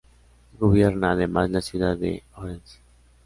Gobierna, además, la ciudad de Orense.